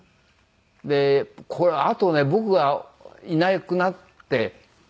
でこれあとね僕がいなくなって。